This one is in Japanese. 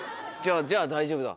じゃあ大丈夫だ。